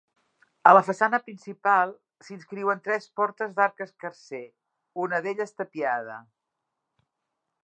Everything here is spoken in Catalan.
A la façana principal, s'inscriuen tres portes d'arc escarser, una d'elles tapiada.